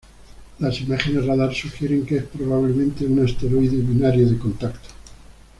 Las imágenes radar sugieren que es probablemente un asteroide binario de contacto.